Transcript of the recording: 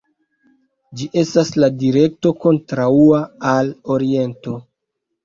Ĝi estas la direkto kontraŭa al oriento.